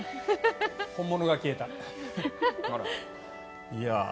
本物が消えた。